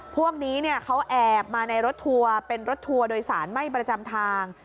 พวกนี้เขาแอบมาในรถทัวร์เป็นรถทัวร์โดยสารไม่ประจำทาง